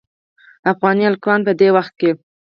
افغاني هلکان دې په دې وخت کې.